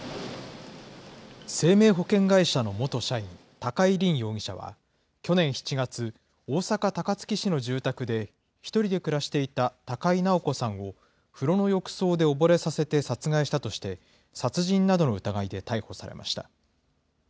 生命保険会社の元社員、高井凜容疑者は、去年７月、大阪・高槻市の住宅で、１人で暮らしていた高井直子さんを風呂の浴槽で溺れさせて殺害したとして、殺人などの疑いで逮捕されました。